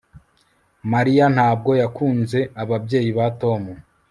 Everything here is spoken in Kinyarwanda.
Mariya ntabwo yakunze ababyeyi ba Tom